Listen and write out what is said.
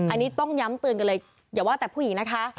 อันนี้ต้องย้ำเตือนกันเลยอย่าว่าแต่ผู้หญิงนะคะ